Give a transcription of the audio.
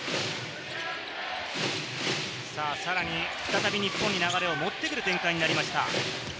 さらに再び日本に流れを持ってくる展開になりました。